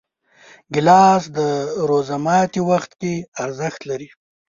ګیلاس د روژه ماتي وخت کې ارزښت لري.